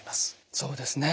そうですね。